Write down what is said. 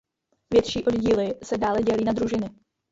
Větší oddíly se dále dělí na družiny.